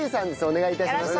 お願い致します。